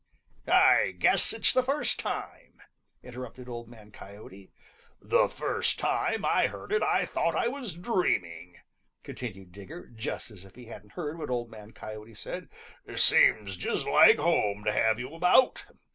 "I guess it's the first time," interrupted Old Man Coyote. "The first time I heard it I thought I was dreaming," continued Digger, just as if he hadn't heard what Old Man Coyote said. "Seems just like home to have you about.